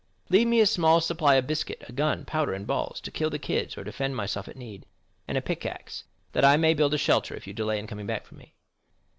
Leave me a small supply of biscuit, a gun, powder, and balls, to kill the kids or defend myself at need, and a pickaxe, that I may build a shelter if you delay in coming back for me."